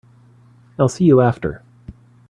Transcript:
I'll see you after.